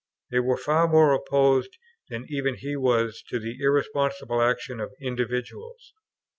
They were far more opposed than even he was to the irresponsible action of individuals.